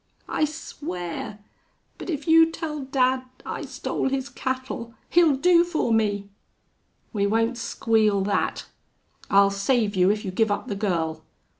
"I swear!... But if you tell dad I stole his cattle he'll do for me!" "We won't squeal that. I'll save you if you give up the girl.